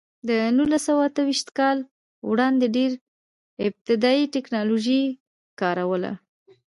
د نولس سوه اته ویشت کال وړاندې ډېره ابتدايي ټکنالوژي کار وله.